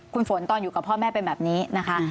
คุณฝนตอนอยู่กับพ่อแม่เป็นแบบนี้นะคะ